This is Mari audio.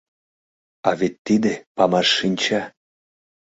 «А вет тиде памашшинча!